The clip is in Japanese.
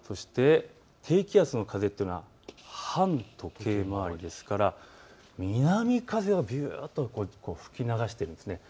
低気圧の風というのは反時計回りですから南風が吹き流しているんですね。